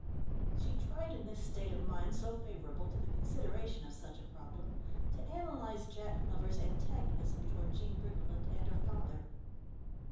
She tried, in this state of mind so favourable to the consideration of such a problem, to analyse Jack Glover's antagonism toward Jean Briggerland and her father.